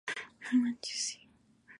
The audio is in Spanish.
Perfeccionó su danza, y tomó clases de canto.